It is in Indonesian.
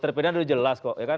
terpidana dulu jelas kok